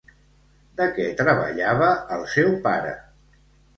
De què treballava el seu pare?